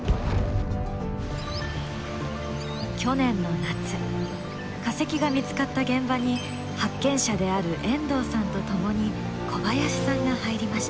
去年の夏化石が見つかった現場に発見者である遠藤さんと共に小林さんが入りました。